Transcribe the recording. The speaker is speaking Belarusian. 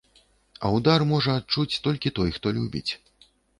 А ўдар можа адчуць толькі той, хто любіць.